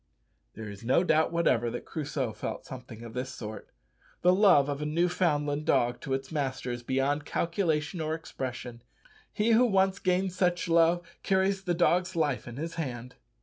There is no doubt whatever that Crusoe felt something of this sort. The love of a Newfoundland dog to its master is beyond calculation or expression. He who once gains such love carries the dog's life in his hand.